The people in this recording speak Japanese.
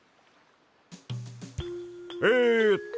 えっと